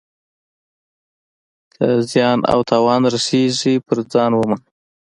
که زیان او تاوان رسیږي پر ځان ومني.